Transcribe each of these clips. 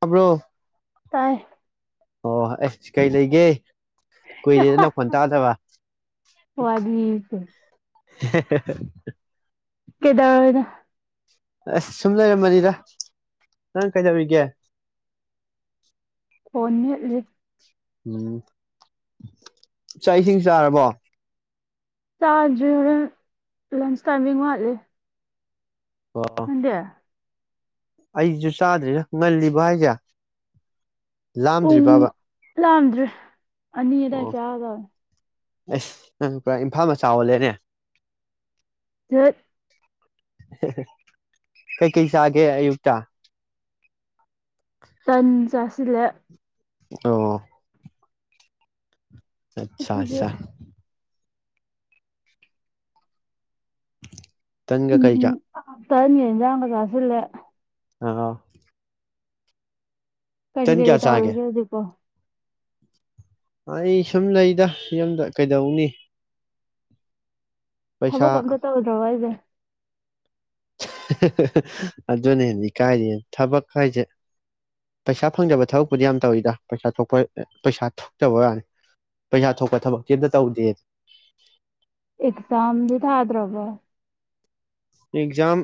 ꯍꯥꯕ꯭ꯔꯣ ꯇꯥꯏ ꯑꯣ ꯑꯦꯁ ꯀꯩ ꯂꯩꯒꯦ ꯀꯨꯏꯔꯦ ꯅ ꯅꯪ ꯐꯣꯟ ꯇꯥꯗꯕ ꯋꯥꯔꯤꯁꯦ [unintelligible] ꯀꯦꯗꯔ ꯑꯁ ꯁꯨꯝ ꯂꯩꯔꯃꯅꯤꯗ ꯅꯪ ꯀꯩꯗꯧꯔꯤꯒꯦ ꯐꯣꯟ ꯃꯠꯂꯤ ꯎꯝ ꯆꯥꯛ ꯏꯁꯤꯡ ꯆꯥꯔꯕꯣ ꯆꯥꯗ꯭ꯔꯤꯅ ꯂꯟꯆ ꯇꯥꯏꯃꯤꯡ ꯋꯥꯠꯂꯦ ꯑꯣ ꯍꯗꯌꯥ ꯑꯩꯁꯨ ꯆꯥꯗ꯭ꯔꯤꯔꯥ ꯉꯜꯂꯤꯕ ꯍꯥꯏꯁꯦ ꯂꯥꯝꯗ꯭ꯔꯤ ꯕꯕꯥꯥ ꯂꯗ꯭ꯔꯦ ꯑꯅꯤꯗꯥ ꯀꯌꯥ ꯑꯦꯁ ꯄꯨꯔ ꯏꯝꯐꯥꯜ ꯃꯆꯥ ꯑꯣꯜꯂꯦꯅꯦ ꯆꯠ ꯀꯩ ꯀꯩꯁꯒꯦ ꯑꯌꯨꯛꯇ ꯇꯟ ꯆꯥꯁꯤꯂꯦ ꯑꯣ ꯑꯠꯆꯥ ꯑꯗꯨꯒꯤ ꯑꯆꯥ ꯇꯒ ꯀꯩꯖ ꯇꯅꯤꯖ ꯀꯁꯂ [unintelligible] ꯑ ꯀꯔꯤ ꯀꯔꯤ ꯆꯥꯒꯦ ꯇꯧꯔꯤꯒꯦ ꯍꯧꯖꯤꯀꯣ ꯑꯩ ꯁꯨꯝ ꯂꯩꯗ ꯌꯨꯝꯗ ꯀꯩꯗꯧꯅꯤ ꯄꯩꯁꯥ ꯊꯕꯛ ꯑꯝꯇ ꯇꯧꯗ꯭ꯔꯣ ꯋꯥ ꯑꯩꯁꯦ ꯑꯗꯨꯅꯦ ꯏꯀꯥꯏꯔꯤ ꯊꯕꯛ ꯍꯥꯏꯁꯦ ꯄꯩꯁꯥ ꯐꯪꯗꯕ ꯊꯕꯛꯄꯨꯗꯤ ꯌꯥꯝ ꯇꯧꯋꯤꯗ ꯄꯩꯁꯥ ꯊꯣꯛꯄ ꯄꯩꯁꯥ ꯊꯣꯛꯇꯕ ꯋꯥꯅꯤ ꯄꯩꯁꯥ ꯊꯣꯛꯄ ꯊꯕꯛꯇꯤ ꯑꯝꯇ ꯇꯧꯗꯦ ꯑꯦꯛꯖꯥꯝꯗꯤ ꯊꯥꯗ꯭ꯔꯕ ꯑꯦꯛꯖꯥꯝ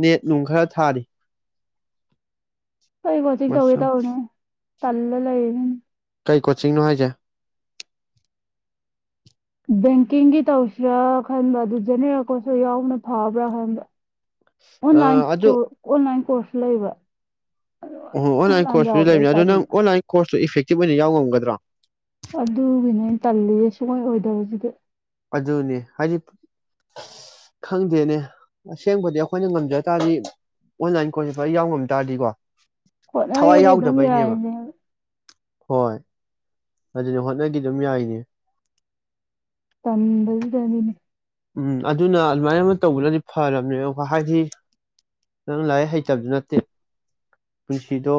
ꯅꯦꯠꯅꯨꯡ ꯈꯔ ꯊꯥꯔꯤ ꯀꯔꯤ ꯋꯥꯣꯆꯤꯡ ꯃꯁ ꯇꯧꯋꯦꯗꯧꯅꯦ [unintelligible] ꯇꯜ ꯂꯩꯥꯏꯅꯤ ꯀꯩ ꯀꯣꯆꯤꯡꯅꯣ ꯍꯥꯏꯁꯦ ꯕꯦꯡꯀꯤꯡꯒꯤ ꯇꯧꯁꯤꯔꯥ ꯈꯟꯕ ꯑꯗꯨ ꯖꯅꯦꯔꯥ ꯀꯣꯠꯁꯨ ꯌꯥꯎꯅ ꯐꯥꯕ꯭ꯔꯥ ꯈꯟꯕ ꯑꯣꯟꯂꯥꯏꯟ ꯀꯣ ꯑꯣꯟꯂꯥꯏꯟ ꯏꯁꯄꯣꯔꯁ ꯂꯩꯕ ꯑꯗꯣ ꯑꯣ ꯑꯣꯟꯂꯥꯏꯟ ꯀꯣꯔꯁꯨꯁꯨ ꯌꯥꯎꯕꯗꯣ ꯑꯩ ꯂꯩꯕꯅꯤꯅꯦ ꯑꯗꯨ ꯅꯪ ꯇꯟꯕ ꯑꯣꯟꯂꯥꯏꯟ ꯀꯣꯔꯁꯇꯨ ꯏꯐꯦꯛꯇꯤꯚ ꯑꯣꯏꯅ ꯌꯥꯎ ꯉꯝꯒꯗ꯭ꯔꯥ [unintelligible] ꯑꯗꯨꯒꯤꯅꯦ ꯑ ꯇꯜꯂꯤꯌꯦ ꯁꯨꯡꯑꯣꯏ ꯑꯣꯏꯗꯧꯕꯁꯤꯗꯤ ꯑꯗꯨꯅꯦ ꯍꯥꯏꯗꯤ ꯈꯪꯗꯦꯅꯦ ꯑꯁꯦꯡꯕꯗꯤ ꯑꯩꯈꯣꯏꯅ ꯉꯝꯖ ꯇꯥꯔꯗꯤ ꯑꯣꯟꯂꯥꯏꯟ ꯀꯣꯔꯁ ꯐꯔ ꯌꯥꯎ ꯉꯝ ꯇꯥꯔꯗꯤꯀꯣ ꯊꯋꯥꯏ ꯍꯣꯠꯅꯒꯦꯗꯤ ꯑꯗꯨꯝ ꯌꯥꯎꯗꯕꯩꯅꯦꯕ ꯌꯥꯏꯅꯦ ꯍꯣꯏ ꯑꯗꯨꯅ ꯍꯣꯠꯅꯈꯤ ꯑꯗꯨꯝ ꯌꯥꯏꯅꯦ ꯇꯝꯕꯗꯤꯗꯅꯤꯅꯦ ꯎꯝ ꯑꯗꯨꯅ ꯑꯗꯨꯃꯥꯏꯅ ꯑꯃ ꯇꯧꯕꯅꯗꯤ ꯐꯔꯕꯅꯦ ꯍꯥꯏꯗꯤ ꯅꯪ ꯂꯥꯏꯔꯤꯛ ꯍꯩꯇꯕꯗꯨ ꯅꯠꯇꯦ ꯄꯨꯟꯁꯤꯗꯣ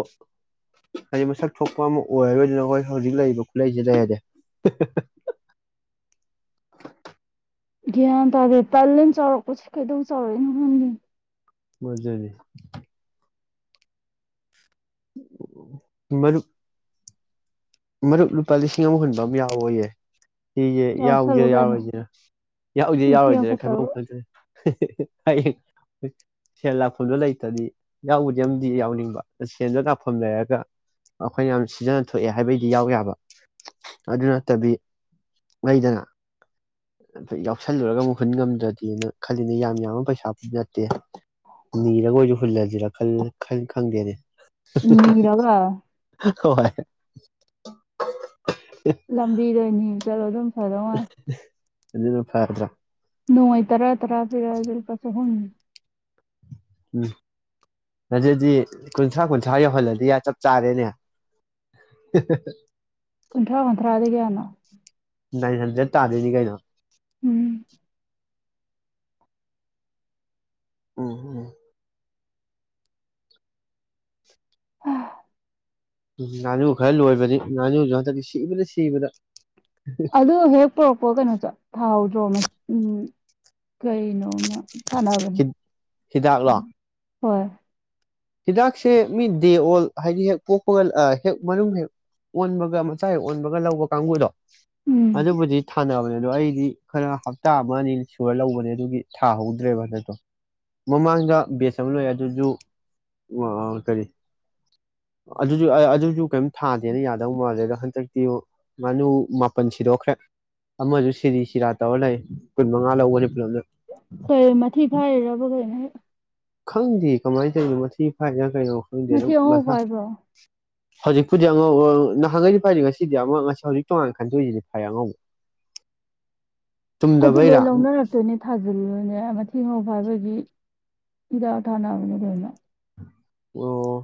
ꯍꯥꯏꯗꯤ ꯃꯁꯛ ꯊꯣꯛꯄ ꯑꯃ ꯑꯣꯏꯔꯔꯣꯏꯗꯅ ꯑꯩꯈꯣꯏ ꯍꯧꯖꯤꯛ ꯂꯩꯔꯤꯕ ꯈꯨꯠꯂꯩꯁꯤꯗ ꯂꯩꯔꯔꯦ ꯒ꯭ꯌꯥꯟ ꯇꯥꯔꯗꯤ ꯇꯂꯅ ꯆꯥꯎꯔꯛꯄꯁꯦ ꯀꯩꯗꯧ ꯆꯥꯎꯔꯛꯏꯅꯣ ꯈꯪꯒꯤ ꯃꯖꯦ ꯃꯔꯗꯨ ꯃꯔꯨꯞ ꯂꯨꯄꯥ ꯂꯤꯁꯤꯡ ꯑꯃꯨꯛ ꯍꯨꯟꯕ ꯑꯃ ꯌꯥꯎꯌꯦ ꯁꯤꯁꯦ ꯌꯥꯎꯁꯦ ꯌꯥꯎꯁꯜꯂꯨ ꯀꯩꯅꯣ ꯌꯥꯎꯔꯣꯏꯗꯔ ꯌꯥꯎꯁꯦ ꯄꯨꯟꯁꯤ ꯌꯥꯎꯔꯣꯏꯗꯔꯥ ꯑꯃꯈꯛꯇꯕꯨ ꯈꯟꯐꯝ ꯈꯪꯗ꯭ꯔꯦ ꯍꯌꯦ ꯁꯦꯟ ꯂꯥꯛꯐꯝꯗꯣ ꯂꯩꯇ꯭ꯔꯗꯤ ꯌꯥꯎꯕꯗꯤ ꯑꯃꯗꯤ ꯌꯥꯎꯅꯤꯡꯕ ꯁꯦꯟꯗꯣ ꯂꯥꯛꯐꯝ ꯂꯩꯔꯒ ꯑꯩꯈꯣꯏꯅ ꯌꯥꯝ ꯁꯤꯖꯟꯅ ꯊꯣꯛꯑꯦ ꯍꯥꯏꯕꯩꯗꯤ ꯌꯥꯎ ꯌꯥꯕ ꯑꯗꯨ ꯅꯠꯇꯕꯤ ꯂꯩꯗꯅ ꯌꯥꯎꯁꯜꯂꯨꯔꯒ ꯑꯃꯨꯛ ꯍꯨꯟ ꯉꯝꯗ꯭ꯔꯗꯤꯦꯅ ꯈꯜꯂꯤꯅꯦ ꯌꯥꯝ ꯌꯥꯝꯕ ꯄꯩꯁꯥ ꯅꯠꯇꯦ ꯅꯤꯔꯒ ꯑꯣꯏꯁꯨ ꯍꯨꯜꯂꯁꯤꯔꯥ ꯈꯜ ꯈꯪꯗꯦꯅꯦ ꯃꯤꯔꯒ ꯍꯣꯏ [unintelligible] ꯂꯝꯕꯤꯗꯣꯏꯅꯤ ꯆꯠꯂꯣ ꯑꯗꯨꯝ ꯐꯗꯧ ꯃꯥꯜꯂꯦ ꯑꯗꯨꯅ ꯐꯔꯗ꯭ꯔ ꯅꯣꯡꯃꯩ ꯇꯔꯥ ꯇꯔꯥ ꯐꯤꯔꯖꯨ ꯂꯨꯄꯥ ꯆꯍꯨꯝ ꯎꯝ ꯑꯗꯨꯗꯤ ꯀꯨꯟꯊ꯭ꯔꯥ ꯀꯨꯟꯊ꯭ꯔꯥ ꯌꯧꯍꯜꯂꯗꯤ ꯆꯞ ꯆꯥꯔꯦꯅꯦ ꯍ ꯍ ꯍ ꯀꯨꯟꯊ꯭ꯔꯥ ꯀꯨꯟꯊ꯭ꯔꯥꯗꯤ ꯀꯌꯥꯅꯣ ꯅꯥꯏꯟ ꯍꯟꯗ꯭ꯔꯦꯗ ꯇꯥꯗꯣꯏꯅꯤ ꯀꯩꯅꯣ ꯎꯝ ꯎꯝ ꯎꯝ ꯑ ꯉꯥꯅꯨ ꯈꯔ ꯂꯣꯏꯕꯅꯤ ꯉꯥꯅꯨꯖꯨ ꯍꯟꯗꯛꯇꯝ ꯁꯤꯕꯗ ꯁꯤꯕꯗ ꯑꯗꯨ ꯍꯦꯛ ꯄꯨꯔꯛꯄ ꯀꯩꯅꯣ ꯆ ꯊꯥꯍꯧꯗ꯭ꯔꯣ ꯃ ꯎꯝ ꯀꯩꯅꯣꯃ ꯍꯤ ꯍꯤꯗꯥꯛꯂꯣ ꯍꯣꯏ ꯍꯤꯗꯥꯛꯁꯦ ꯃꯤ ꯗꯦ ꯑꯣꯜ ꯍꯥꯏꯗꯤ ꯍꯦꯛ ꯄꯣꯛꯄꯒ ꯑ ꯍꯦꯛ ꯃꯅꯨꯡ ꯍꯦꯛ ꯑꯣꯟꯕꯒ ꯃꯆꯥ ꯍꯦꯛ ꯑꯣꯟꯕꯒ ꯂꯧꯕ ꯀꯥꯡꯕꯨꯗꯣ ꯎꯝ ꯑꯗꯨꯕꯨꯗꯤ ꯊꯥꯅꯕꯅꯦ ꯑꯗꯣ ꯑꯩꯗꯤ ꯈꯔ ꯍꯞꯇꯥ ꯑꯃ ꯑꯅꯤ ꯁꯨꯔ ꯂꯧꯕꯅꯦ ꯑꯗꯨꯒꯤ ꯊꯥꯍꯧꯗ꯭ꯔꯦꯕ ꯍꯟꯗꯛꯇꯣ ꯃꯃꯥꯡꯗ ꯕꯦꯁ ꯑꯃ ꯂꯣꯏ ꯑꯗꯨꯁꯨ ꯑꯣ ꯀꯔꯤ ꯑꯗꯨꯁꯨ ꯑꯗꯨꯁꯨ ꯀꯩꯝ ꯊꯥꯗꯦꯅ ꯌꯥꯗꯧ ꯃꯥꯜꯂꯦ ꯑꯗꯣ ꯍꯟꯗꯛꯇꯤ ꯉꯥꯅꯨ ꯃꯥꯄꯜ ꯁꯤꯗꯣꯛꯈ꯭ꯔꯦ ꯑꯃꯁꯨ ꯁꯤꯔꯤ ꯁꯤꯔꯥ ꯇꯧꯔ ꯂꯩ ꯀꯨꯟꯃꯉꯥ ꯂꯧꯕꯅꯤ ꯄꯨꯂꯞꯅ ꯍꯣꯏ ꯃꯊꯤ ꯐꯥꯏꯔꯤꯔꯕ ꯀꯩꯅꯣ ꯈꯪꯗꯦ ꯀꯃꯥꯏꯅ ꯇꯧꯏꯅꯣ ꯃꯊꯤ ꯐꯥꯏꯔ ꯀꯩꯅꯣ ꯈꯪꯗꯦ ꯃꯊꯤ ꯑꯗꯨꯝ ꯑꯉꯧ ꯃꯁꯥ ꯐꯥꯏꯕ꯭ꯔꯣ ꯍꯧꯖꯤꯛꯄꯨꯗꯤ ꯑꯉꯧꯕ ꯅꯍꯥꯟꯈꯩꯗꯤ ꯐꯥꯏꯗꯦ ꯉꯁꯤꯗꯤ ꯑꯃ ꯉꯁꯤ ꯍꯧꯖꯤꯛ ꯇꯣꯉꯥꯟꯅ ꯈꯟꯗꯣꯛꯏꯁꯤꯗꯤ ꯐꯥꯏ ꯑꯉꯧꯕ ꯑꯗꯨ ꯂꯣꯏ ꯆꯨꯝꯗꯕꯩꯔꯥ ꯂꯧꯅꯔꯛꯇꯣꯏꯅꯦ ꯊꯥꯖꯤꯜꯂꯨꯔꯅꯦ ꯃꯊꯤ ꯉꯧꯕ ꯍꯥꯏꯕꯒꯤ ꯗꯤ ꯐꯤꯗꯥ ꯊꯥꯅꯕꯅꯦ ꯂꯣꯏꯅ ꯑꯣ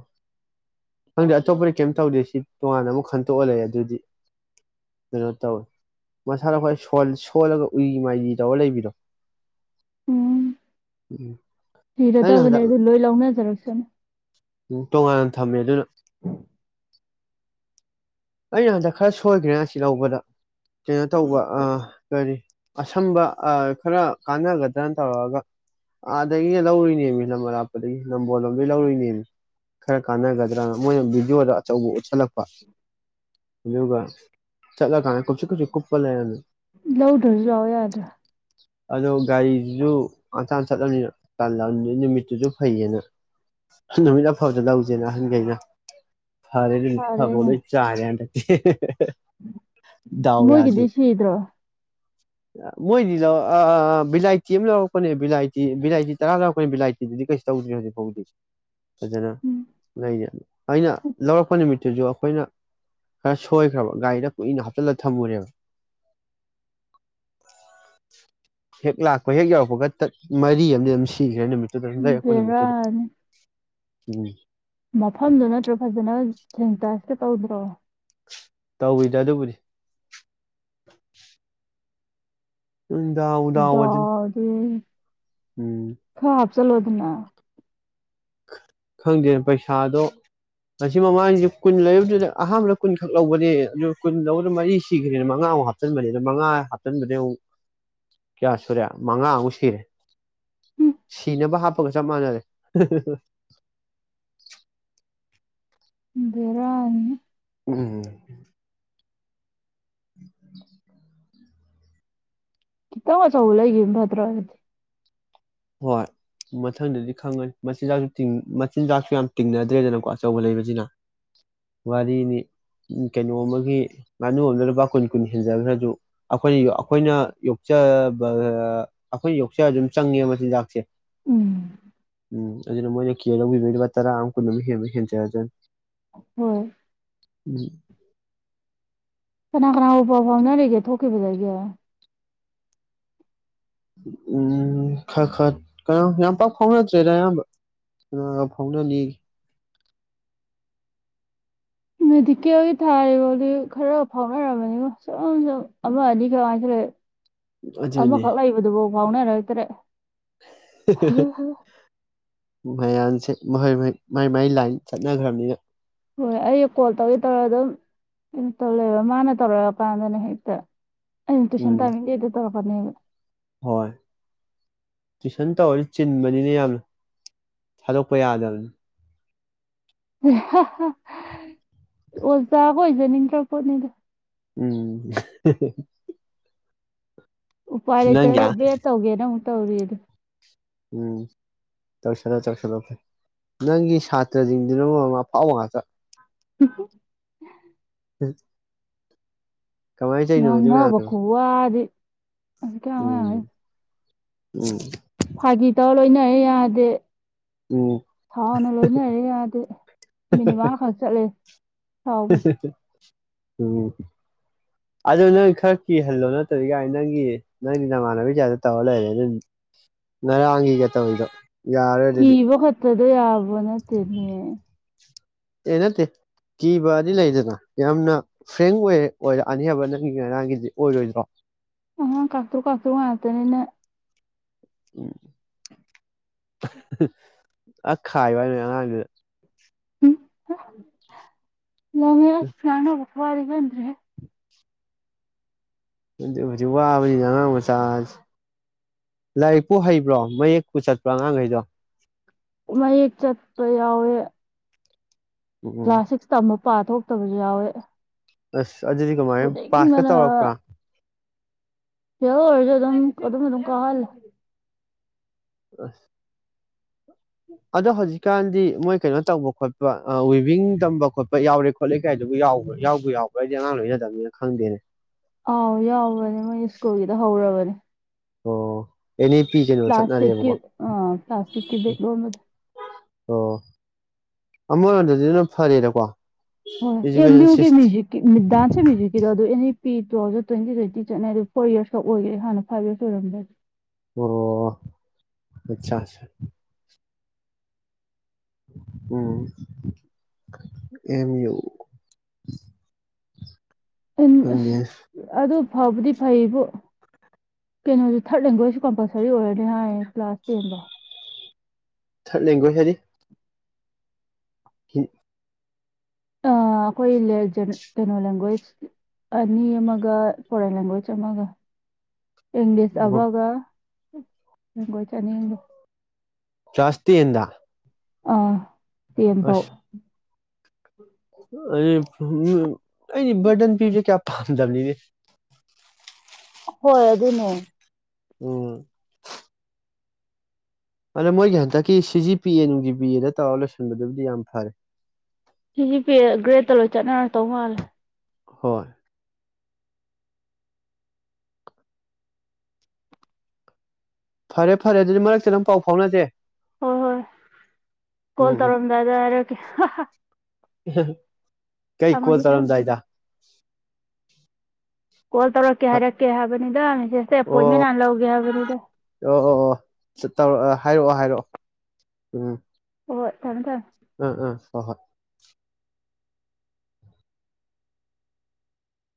ꯈꯪꯗꯦ ꯑꯇꯣꯞꯄꯗꯤ ꯀꯩꯝ ꯇꯧꯗꯦ ꯁꯤ ꯇꯣꯉꯥꯟꯅ ꯑꯃꯨꯛ ꯈꯟꯇꯣꯛꯑ ꯂꯩ ꯑꯗꯨꯗꯤ ꯀꯩꯅꯣ ꯇꯧꯋꯦ ꯃꯁꯥꯅ ꯈ꯭ꯋꯥꯏ ꯁꯣꯟ ꯁꯣꯜꯂꯒ ꯎꯏꯔꯝ ꯃꯥꯜꯂꯤ ꯇꯧꯔ ꯂꯩꯕꯤꯗꯣ ꯎꯝ ꯑꯩꯅ ꯊꯤꯔꯗꯕꯅꯦ ꯑꯗꯨ ꯂꯣꯏ ꯂꯧꯅꯖꯔꯛ ꯁꯟ [unintelligible] ꯎ ꯇꯣꯉꯥꯟꯅ ꯊꯝꯃꯦ ꯑꯗꯨꯗꯣ [unintelligible] ꯑꯩꯅ ꯍꯟꯗꯛ ꯈꯔ ꯁꯣꯏꯈ꯭ꯔꯦ ꯑꯁꯤ ꯂꯧꯕꯗ ꯀꯩꯅꯣ ꯇꯧꯕ ꯑ ꯀꯔꯤ ꯑꯁꯝꯕ ꯑ ꯈꯔ ꯀꯥꯟꯅꯒꯗ꯭ꯔꯅ ꯇꯧꯔꯒ ꯑꯥꯗꯒꯤꯒ ꯂꯧꯔꯨꯏꯅꯦꯃꯤ ꯂꯝ ꯑꯔꯥꯞꯄꯗꯒꯤ ꯅꯝꯕꯣꯜ ꯂꯣꯝꯗꯗꯩ ꯂꯧꯔꯨꯏꯅꯦꯃꯤ ꯈꯔ ꯀꯥꯟꯅꯒꯗ꯭ꯔꯅ ꯃꯣꯏꯅ ꯚꯤꯗꯤꯑꯣꯗ ꯑꯆꯧꯕ ꯎꯠꯁꯜꯂꯛꯄ ꯗꯨꯒ ꯆꯠꯂ ꯀꯥꯟꯗ ꯀꯨꯞꯁꯤ ꯀꯨꯞꯁꯤ ꯀꯨꯞꯄ ꯂꯩꯔꯝꯃꯦ ꯂꯧꯗ꯭ꯔꯁꯨ ꯂꯥꯛꯎ ꯌꯥꯗ꯭ꯔꯥ ꯑꯗꯣ ꯒꯥꯔꯤꯗꯨꯖꯨ ꯑꯥꯇꯥꯟ ꯆꯠꯂꯝꯅꯤꯅ ꯇꯜꯂꯝ ꯅꯨꯃꯤꯠꯇꯨꯁꯨ ꯐꯩꯌꯦꯅ ꯅꯨꯃꯤꯠ ꯑꯐꯕꯗ ꯂꯧꯖꯦꯅ ꯑꯍꯟꯒꯩꯅ ꯐꯔꯦ ꯅꯨꯃꯤꯠ ꯐꯕꯒ ꯐꯔꯦꯅꯦ ꯂꯣꯏ ꯆꯥꯏꯔꯦ ꯍꯟꯗꯛꯇꯤ ꯍꯦ ꯍꯦ ꯍ ꯍ ꯗꯥꯎ ꯌꯥꯗꯦ ꯃꯣꯏꯒꯤꯗꯤ ꯁꯤꯗ꯭ꯔꯣ ꯃꯣꯏꯅꯤꯖꯥꯎ ꯚꯕꯤꯂꯥꯏꯇꯤ ꯑꯃ ꯂꯧꯔꯛꯄꯅꯦ ꯚꯂ ꯚꯂꯥꯏꯇꯤ ꯇꯔꯥ ꯂꯧꯔꯛꯄꯅꯤ ꯚꯕꯤꯂꯥꯏꯇꯤꯗꯨꯗꯤ ꯀꯩꯁꯨ ꯇꯧꯗ꯭ꯔꯤꯦ ꯍꯧꯖꯤꯛ ꯐꯥꯎꯗꯤ ꯐꯖꯅ ꯎꯝ ꯂꯩꯔꯤ ꯑꯩꯅ ꯂꯧꯔꯛꯄ ꯅꯨꯃꯤꯠꯇꯨꯁꯨ ꯑꯩꯈꯣꯏꯅ ꯈꯔ ꯁꯣꯏꯈ꯭ꯔꯕ ꯒꯥꯔꯤꯗ ꯀꯨꯏꯅ ꯍꯥꯞꯆꯤꯜꯂ ꯊꯝꯃꯨꯔꯦꯕ ꯍꯦꯛ ꯂꯥꯛꯄ ꯍꯦꯛ ꯌꯧꯔꯛꯄꯒ ꯃꯔꯤ ꯑꯃꯗꯤ ꯑꯗꯨꯝ ꯁꯤꯈ꯭ꯔꯦ ꯅꯨꯃꯤꯠ ꯗ ꯕꯦꯔꯥꯅꯤ ꯎꯝ ꯆꯪ ꯇꯁꯀꯦ ꯇꯧꯗ꯭ꯔꯣ ꯇꯧꯋꯤꯗ ꯑꯗꯨꯕꯨꯗꯤ ꯗꯥꯎꯗꯥ ꯑꯋꯥꯖꯅꯤ ꯗꯥꯎꯗꯤ ꯎꯝ ꯆꯂꯣꯗꯅ ꯈꯪꯗꯦꯅ ꯄꯩꯁꯥꯗꯣ ꯉ ꯃꯃꯥꯡꯁꯤꯦ ꯀꯨꯟ ꯂꯩꯨꯗꯨꯅ ꯑꯍꯥꯟꯕꯗ ꯀꯨꯟ ꯈꯛ ꯂꯧꯕꯅꯦ ꯑꯗꯨ ꯀꯨꯟ ꯂꯧꯧꯕꯗ ꯃꯔꯤ ꯁꯤꯈ꯭ꯔꯦꯅ ꯃꯉꯥꯃꯨꯛ ꯍꯥꯞꯆꯤꯟꯕꯅꯦ ꯑꯗꯨ ꯃꯉꯥ ꯍꯥꯞꯆꯤꯟꯕꯅꯦ ꯑꯃꯨꯛ ꯀꯌꯥ ꯁꯨꯔꯦ ꯃꯉꯥꯃꯨꯛ ꯁꯤꯔꯦ ꯎꯝ ꯁꯤꯅꯕ ꯍꯥꯞꯄꯒ ꯆꯞ ꯃꯥꯟꯅꯔꯦ ꯑ ꯔꯥꯅꯤ ꯎꯝ ꯎ ꯀ ꯋꯥ ꯆ ꯑꯣꯂ ꯌꯦ ꯐꯇ꯭ꯔ ꯑꯣꯏꯦꯗꯤ ꯍꯣꯏ ꯃꯊꯪꯗꯗꯤ ꯈꯪꯒꯅꯤ ꯃꯆꯤꯟꯖꯥꯛꯁꯨ ꯃꯆꯤꯟꯖꯥꯛꯁꯨ ꯌꯥꯝ ꯇꯤꯡꯅꯗ꯭ꯔꯦꯗꯅꯀꯣ ꯑꯆꯧꯕ ꯂꯩꯕꯁꯤꯅ ꯋꯥꯔꯤꯅꯤ ꯀꯩꯅꯣ ꯑꯃꯒꯤ ꯉꯥꯅꯨ ꯑꯃꯗ ꯂꯨꯄꯥ ꯀꯨꯟ ꯀꯨꯟ ꯍꯦꯟꯖꯈ꯭ꯔꯁꯨ ꯑꯩꯈꯣꯏꯅ ꯑꯩꯈꯣꯏꯅ ꯌꯣꯛꯆꯕ ꯑꯩꯈꯣꯏꯅ ꯌꯣꯛꯆꯔ ꯑꯗꯨꯝ ꯆꯪꯉꯦ ꯖꯥꯛꯦ ꯎꯝ ꯎꯝ ꯑꯗꯨꯅ ꯃꯣꯏꯅ ꯀꯦ ꯂꯧꯕꯕ ꯇꯔꯥ ꯑꯃ ꯀ ꯍ ꯍꯦꯟꯖꯦ ꯑꯗꯨ ꯍꯣꯏ ꯎꯝ ꯀꯅꯥ ꯀꯅꯥꯕꯨꯕ ꯄꯥꯎ ꯐꯥꯎꯅꯔꯤꯒꯦ ꯊꯣꯛꯈꯤꯕꯗꯒꯤꯦ ꯎꯝ ꯈꯔ ꯈꯔ ꯀꯩꯅ ꯌꯥꯝ ꯄꯥꯛ ꯐꯥꯎꯅꯗ꯭ꯔꯦꯗ ꯑꯌꯥꯝꯕ ꯀ ꯐꯥꯎꯅꯅꯤ ꯃꯦꯗꯤꯀꯦꯜꯒꯤ ꯊꯥꯔꯤꯐꯥꯎꯗꯤ ꯈꯔ ꯐꯥꯎꯅꯔꯕꯅꯤꯀꯣ ꯁ ꯑꯃ ꯑꯅꯤ ꯀꯃꯥꯏꯅ ꯊꯣꯛ ꯂꯩ ꯑꯃꯈꯛ ꯂꯩꯏꯕꯗꯨꯐꯣ ꯥꯎꯅꯥ ꯔꯣꯏꯇꯔꯦ ꯃꯌꯥꯟꯁꯦ ꯃꯈꯣꯏ ꯃꯍꯣꯏ ꯃꯥꯏ ꯃꯥꯏ ꯂꯥꯏꯟ ꯆꯠꯅꯈ꯭ꯔꯕꯅꯤꯅ ꯍꯣꯏ ꯑꯩ ꯀꯣꯜ ꯇꯧꯒꯦ ꯇꯧꯔꯒ ꯑꯗꯨꯝꯩꯅ ꯇꯧ ꯂꯩꯦꯕ ꯃꯥꯅ ꯇꯧꯔꯛꯑꯀꯥꯟꯗꯅꯦ ꯍꯦꯛꯇ ꯑ ꯇꯨꯁꯟ ꯇ ꯎꯝ ꯃꯤꯦꯗ ꯇꯧꯣ ꯐꯅꯤ ꯍꯣꯏ ꯇꯨꯏꯁꯟ ꯇꯧꯔꯗꯤ ꯆꯤꯟꯕꯅꯤꯅ ꯌꯥꯝꯅ ꯊꯥꯗꯣꯛꯄ ꯌꯥꯗꯕꯅꯤ ꯑꯣꯖꯥꯕꯨ ꯑꯣꯏꯖꯅꯤꯡꯗ꯭ꯔ ꯄꯣꯠꯅꯤꯗ ꯎꯝ ꯅꯪꯒꯤ ꯎꯄꯥꯔꯇꯕꯦ ꯇꯧꯒꯦꯅ ꯇꯧꯔꯤ ꯑ ꯑꯗꯨ ꯎꯝ ꯆꯧꯁꯜꯂꯣ ꯆꯧꯁꯜꯂꯣ ꯐꯩ ꯅꯪꯒꯤ ꯁꯥꯇ꯭ꯔꯁꯤꯡꯗꯨꯅ ꯃꯔꯃ ꯑꯐꯥꯎꯕ ꯉꯥꯛꯇ ꯎ ꯍꯝ ꯉꯉꯕ ꯈꯨꯨꯍꯗꯤ ꯑꯁꯤꯁ ꯀꯌꯥ ꯎꯝ ꯋꯥ ꯎꯝ ꯐꯥꯒꯤ ꯇꯧꯔ ꯂꯣꯏꯅꯔꯦ ꯌꯥꯗꯦ ꯎꯝ ꯊꯥꯎꯅ ꯂꯣꯏꯅꯔꯦ ꯌꯥꯗ ꯃꯤꯅꯤꯠ ꯃꯉꯥꯈꯛ ꯆꯠꯂꯦ ꯁꯥꯎꯕꯁꯦ [unintelligible] ꯎꯝ ꯑꯗꯨ ꯅꯪ ꯈꯔ ꯀꯤꯍꯜꯂꯣ ꯅꯠꯇꯕꯗꯤ ꯌꯥꯥꯏ ꯅꯪꯒꯤ ꯅꯪꯒꯤ ꯅꯃꯥꯟꯅꯕꯤ ꯀꯌꯥꯗ ꯇꯧꯔ ꯂꯩꯔꯦ ꯑꯗꯨ ꯉꯔꯥꯡꯒꯤꯒ ꯇꯧꯔꯤꯗꯣ ꯌꯥꯔꯦ ꯑꯗꯨꯗꯤ ꯑꯗꯨꯗ ꯌꯥꯕꯅꯦ ꯇꯅꯦ ꯑꯦ ꯅꯠꯇꯦ ꯀꯤꯕꯗꯤ ꯂꯩꯗꯅ ꯌꯥꯝꯅ ꯐ꯭ꯔꯦꯡ ꯑꯣꯏ ꯑꯣꯏꯔ ꯑꯅꯤ ꯍꯥꯏꯕ ꯅꯪꯒꯤ ꯉꯔꯥꯡꯒꯤꯗꯤ ꯑꯣꯏꯔꯣꯏꯗ꯭ꯔꯣ ꯑ ꯀꯥꯛꯨ ꯀꯥꯛꯀꯨ ꯉꯥꯇꯅꯤꯅ ꯎꯝ ꯑ ꯈꯥꯏꯕ ꯍꯥꯏ ꯅꯣꯏ ꯑꯉꯥꯡꯗꯨꯗ ꯃ ꯁꯅ ꯐꯄꯋꯥꯗꯤꯒ꯭ꯔꯦ ꯑꯗꯨ ꯍꯧꯖꯤꯛ ꯋꯥꯕꯅꯤꯅ ꯑꯉꯥꯡ ꯃꯆꯥ ꯂꯥꯏꯔꯤꯛꯄꯨ ꯍꯩꯕ꯭ꯔꯣ ꯃꯌꯦꯛꯄꯨ ꯆꯠꯄ꯭ꯔꯣ ꯑꯉꯥꯡꯈꯩꯗꯣ ꯃꯌꯦꯛ ꯆꯠꯄ ꯌꯥꯎꯋꯦ ꯎꯝ ꯎꯝ ꯀ꯭ꯂꯥꯁ ꯁꯤꯛꯁ ꯇꯝꯃ ꯄꯥ ꯊꯣꯛꯇꯕꯁꯨ ꯌꯥꯎꯋꯦ ꯑꯁ ꯑꯗꯨꯗꯤ ꯀꯃꯥꯏꯅ ꯄꯥꯁ ꯈ ꯐꯨꯅꯤꯡꯕꯅ ꯇꯧꯔꯛꯄ꯭ꯔꯥ ꯀꯔꯝ ꯑꯣꯗꯣ ꯃꯗꯨꯣ ꯀꯥ ꯍꯜ ꯑꯁ ꯑꯗꯣ ꯍꯧꯖꯤꯛꯀꯥꯟꯗꯤ ꯃꯣꯏ ꯀꯩꯅꯣ ꯇꯧꯕ ꯈꯣꯠꯄ ꯋꯤꯕꯤꯡ ꯇꯝꯕ ꯈꯣꯠꯄ ꯌꯥꯎꯔꯦ ꯈꯣꯠꯂꯦ ꯀꯥꯏꯗꯨꯕꯨ ꯌꯥꯎꯕ꯭ꯔꯥ ꯌꯥꯎꯕ ꯌꯥꯎꯕ꯭ꯔꯥ ꯍꯥꯏꯗꯤ ꯑꯉꯥꯡ ꯂꯣꯏꯅꯗꯕꯅꯤꯅ ꯈꯪꯗꯦꯅꯦ ꯑꯥꯎ ꯌꯥꯎꯕꯅꯦ ꯃꯣꯏ ꯁ꯭ꯀꯨꯜꯒꯤꯗ ꯍꯧꯔꯕꯅꯦ ꯑꯣ ꯑꯦꯟ ꯑꯦ ꯄꯤ ꯀꯩꯅꯣ ꯄ꯭ꯂꯥꯁꯇꯛꯀꯤ ꯆꯠꯅꯔꯦꯕꯀꯣ ꯑ ꯄ꯭ꯂꯥꯁꯇꯤꯀꯤ ꯦꯒꯂꯣ ꯃ ꯑꯣ ꯑꯃꯔꯣꯝꯗꯗꯤ ꯑꯗꯨ ꯐꯔꯦꯗꯀꯣ ꯏꯖꯨꯀꯦꯁꯟ ꯍꯣꯏꯦꯝꯗꯤꯨ ꯀ ꯁꯤꯁꯇꯦꯝ ꯃꯨꯖꯤꯀꯤꯗꯥꯁꯦ ꯃꯨꯖꯤꯛꯀꯤ ꯑꯗꯨꯅꯤ ꯄꯤꯗ꯭ꯔꯣꯁꯨ ꯇ꯭ꯋꯦꯟꯇꯤ ꯇ꯭ꯋꯦꯟꯇꯤ ꯆꯠꯩ ꯑꯗꯨ ꯐꯣꯔ ꯌꯔꯁꯀ ꯑꯣꯏꯈꯔꯦꯥꯟꯅ ꯐꯥꯏꯚ ꯌꯔꯁ ꯑꯣꯏꯔꯝꯕ꯭ꯔꯗꯤ ꯑꯣ ꯑꯆꯥꯁ ꯎꯝ ꯑꯦꯝ ꯌꯨ ꯎꯝ ꯈꯪꯗꯦ ꯑꯗꯨ ꯑꯗꯨ ꯐꯕꯗꯤ ꯐꯩꯕꯨ ꯀꯩꯅꯣꯁꯨ ꯊꯥꯔꯠ ꯂꯦꯡꯒ꯭ꯋꯦꯖꯁꯨ ꯀꯝꯄꯜꯁꯔꯤ ꯑꯣꯏꯔꯅꯤ ꯍꯥꯏꯌꯦ ꯀ꯭ꯂꯥꯁ ꯇꯦꯟꯗꯣ ꯂꯦꯡꯒꯣꯏ ꯍꯥꯏꯔꯤ ꯍ ꯑꯩꯈꯣꯏ ꯀꯩꯅꯣ ꯂꯦꯡꯒ꯭ꯋꯦꯖ ꯑꯅꯤ ꯑꯃꯒ ꯐꯣꯔꯦꯟ ꯂꯦꯡꯒ꯭ꯋꯦꯖ ꯑꯃꯒ ꯌꯦꯡꯦꯁ ꯑꯕꯒ ꯒꯣꯏ ꯆꯅꯤꯕ ꯥꯁꯇ ꯏꯗ ꯑꯥ ꯇꯦꯝꯕꯧ ꯎꯝ ꯑ ꯑꯩ ꯕꯗꯟ ꯄꯤꯖꯦ ꯀꯌꯥ ꯄꯥꯝꯖꯕꯂꯤꯅꯦ ꯍꯣꯏ ꯑꯗꯨꯅꯦ ꯎꯝ ꯑꯗ ꯃꯣꯏꯒꯤ ꯍꯟꯗꯛꯀꯤ ꯁꯤ ꯖꯤ ꯄꯤ ꯑꯦꯟꯒꯤ ꯕꯤ ꯑꯦꯗ ꯇꯧꯔ ꯂꯣꯏꯁꯤꯟꯕꯗꯨꯕꯨꯗꯤ ꯌꯥꯝ ꯐꯔꯦ ꯁꯤꯖꯤ ꯄꯦ ꯒ꯭ꯔꯦꯗꯠꯇ ꯂꯣꯏ ꯆꯠꯅꯔ ꯇꯧ ꯃꯥꯜꯂꯦ ꯍꯣꯏ ꯐꯔꯦ ꯐꯔꯦ ꯑꯗꯨꯗꯤ ꯃꯔꯛꯇ ꯑꯗꯨꯪꯝ ꯄꯥꯎ ꯐꯥꯎꯅꯁꯦ ꯍꯣꯏ ꯍꯣꯏ ꯎꯝ ꯀꯣꯜ ꯇꯧꯔꯝꯗꯥꯏꯗ ꯍꯥꯏꯔꯛꯀꯦ ꯎꯝ ꯀꯩ ꯀꯣꯜ ꯊꯝꯃꯒꯦ ꯊꯝꯃꯦ ꯆꯔꯝꯗꯥꯏꯗ ꯀꯣꯜ ꯇꯧꯔꯛꯀꯦ ꯑꯣ ꯍꯥꯏꯔꯛꯀꯦ ꯍꯥꯏꯕꯅꯤꯗ ꯃꯦꯁꯦꯖꯇ ꯑꯦꯄꯣꯏꯟꯃꯦꯟ ꯌꯥꯝꯥꯟꯅ ꯂꯧꯒꯦ ꯍꯥꯏꯕꯅꯤꯗ ꯑꯣ ꯑꯣ ꯑꯣ ꯑ ꯍ ꯊꯪ ꯊ ꯑꯥ ꯑꯥ ꯍꯣ ꯍꯣꯏ